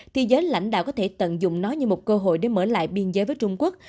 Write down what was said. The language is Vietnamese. thì giới lãnh đạo có thể tận dụng nó như một cơ hội để mở lại biên giới với trung quốc